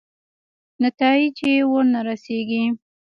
نتایجې ورنه رسېږي.